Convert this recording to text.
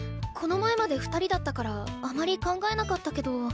この前まで２人だったからあまり考えなかったけど。